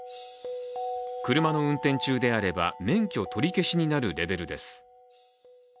車の運転中であれば、免許取り消しになるレベルです。